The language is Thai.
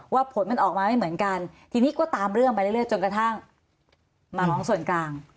ผลมันออกมาไม่เหมือนกันทีนี้ก็ตามเรื่องไปเรื่อยจนกระทั่งมาร้องส่วนกลาง